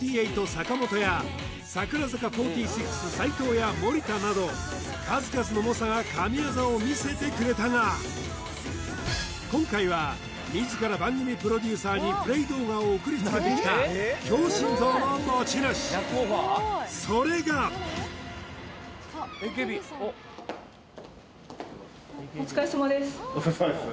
坂本や櫻坂４６齋藤や森田など数々の猛者が神業を見せてくれたが今回は自ら番組プロデューサーにプレー動画を送りつけてきた強心臓の持ち主それがお疲れさまです